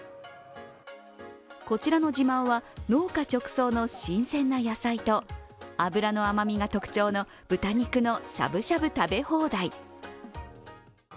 こちらの自慢は、農家直送の新鮮な野菜と脂の甘みが特徴の豚肉のしゃぶしゃぶ食べ放題。